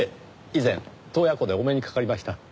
以前洞爺湖でお目にかかりました。